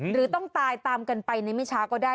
หรือต้องตายตามกันไปในไม่ช้าก็ได้